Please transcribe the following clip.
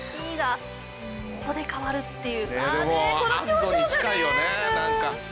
安堵に近いよねなんか。